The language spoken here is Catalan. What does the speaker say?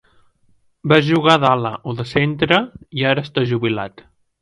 Va jugar d'ala o de centre i ara està jubilat.